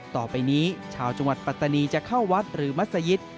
ต่อไปนี้ชาวจังหวัดปัตตานีจะเข้าวัดหรือมัศยิต